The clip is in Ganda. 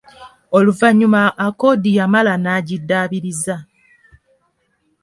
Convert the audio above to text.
Oluvannyuma Accord yamala n'agidaabiriza.